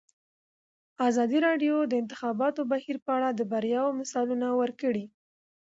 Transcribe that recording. ازادي راډیو د د انتخاباتو بهیر په اړه د بریاوو مثالونه ورکړي.